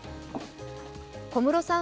小室さん